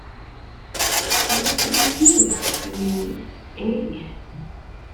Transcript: And you can refuse, you mean, eh?